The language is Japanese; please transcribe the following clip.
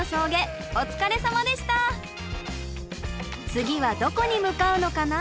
次はどこに向かうのかな？